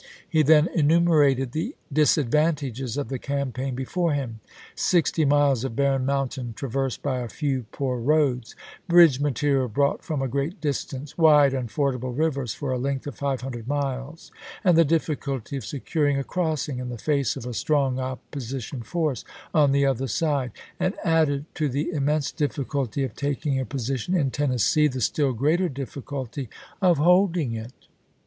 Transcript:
He then enumerated the disadvantages of the campaign be fore him : sixty miles of barren mountain traversed by a few poor roads ; bridge material brought from a great distance; wide, unfordable rivers for a length of five hundred miles ; and the difficulty of securing a crossing in the face of a strong oppo sition force on the other side; and added to the to Lfncofn, immense difficulty of taking a position in Tennes Aug^^i863. ggg^ ^^^ g^.j^ greater difficulty of holding it.